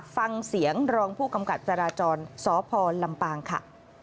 ฟังเสียงรองผู้กำกับจราจรสพลำปางค่ะ